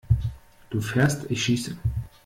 Du fährst, ich schieße!